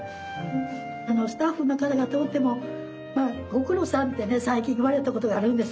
スタッフの方が通っても「ご苦労さん」って最近言われたことがあるんです。